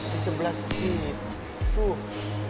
di sebelah situ